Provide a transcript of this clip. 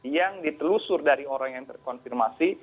yang ditelusur dari orang yang terkonfirmasi